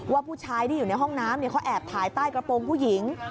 ว่าผู้ชายที่อยู่ในห้องน้ำเขาแอบถ่ายใต้กระโปรงผู้หญิง